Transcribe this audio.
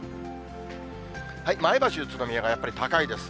前橋、宇都宮がやっぱり高いです。